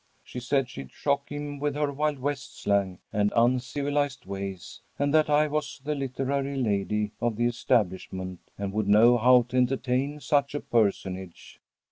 She said she'd shock him with her wild west slang and uncivilized ways, and that I was the literary lady of the establishment, and would know how to entertain such a personage.